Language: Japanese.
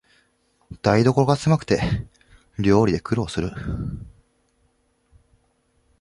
台所がせまくて料理で苦労する